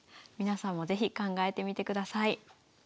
皆さんも是非考えてみてください。